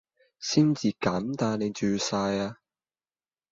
新界咁大你住曬呀！